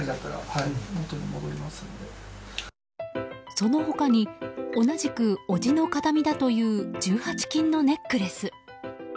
その他に、同じく叔父の形見だという１８金のネックレス。